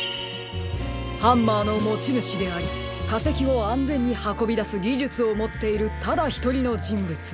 ハンマーのもちぬしでありかせきをあんぜんにはこびだすぎじゅつをもっているただひとりのじんぶつ。